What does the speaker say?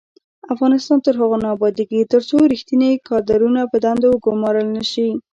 افغانستان تر هغو نه ابادیږي، ترڅو ریښتیني کادرونه په دندو وګمارل نشي.